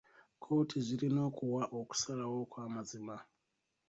Kkooti zirina okuwa okusalawo okw'amazima